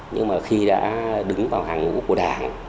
nhưng mà khi đã đứng vào hàng ngũ của đảng